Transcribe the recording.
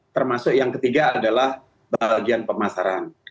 termasuk yang ketiga adalah bagian pemasaran